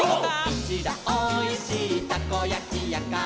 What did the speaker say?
「うちらおいしいたこやきやから」